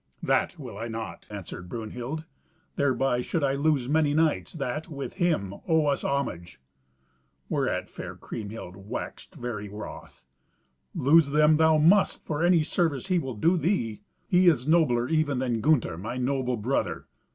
"That will I not," answered Brunhild. "Thereby should I lose many knights that, with him, owe us homage." Whereat fair Kriemhild waxed very wroth. "Lose them thou must, for any service he will do thee. He is nobler even than Gunther, my noble brother.